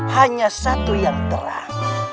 hanya satu yang terang